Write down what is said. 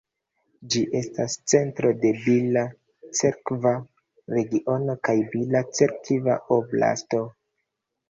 Ĝi estas centro de Bila-Cerkva regiono kaj Bila-Cerkva oblasto.